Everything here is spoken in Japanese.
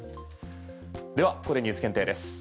ではここでＮＥＷＳ検定です。